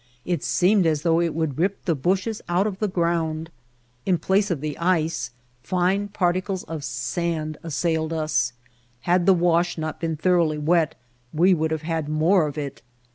It seemed as though it would rip the bushes out of the ground. In place of the ice, fine particles of sand assailed us — had the wash not been thor oughly wet we would have had more of it.